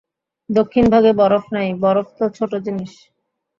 দক্ষিণভাগে বরফ নাই! বরফ তো ছোট জিনিষ।